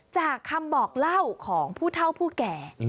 จากคำบอกเล่าของผู้เท่าผู้แก่